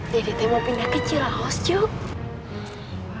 jadi teh mau pindah kecil lah os cuy